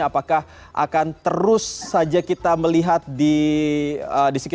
apakah akan terus saja kita melihat di sekitar kita tetap ada masalah